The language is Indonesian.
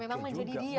ya memang menjadi dia